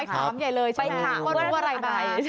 ไปถามใหญ่เลยไปถามว่าเรื่องอะไร